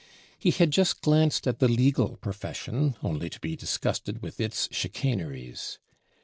He had just glanced at the legal profession only to be disgusted with its chicaneries.